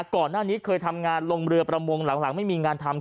ก่อนหน้านี้เคยทำงานลงเรือประมงหลังไม่มีงานทำ